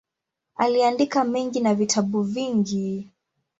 Aliandika mengi na vitabu vingi.